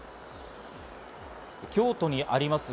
京都にあります